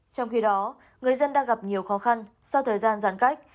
trong khi đó người dân đang gặp nhiều khó khăn sau thời gian giãn cách